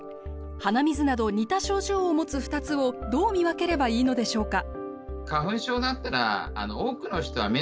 鼻水など似た症状を持つ２つをどう見分ければいいのでしょうか？